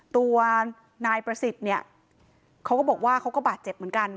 ตัวนายประสิทธิ์เนี่ยเขาก็บอกว่าเขาก็บาดเจ็บเหมือนกัน